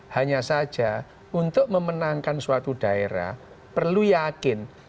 hanya saja untuk memenangkan suatu daerah perlu yakin